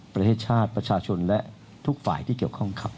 ประชาชนและทุกฝ่ายที่เกี่ยวข้องครับ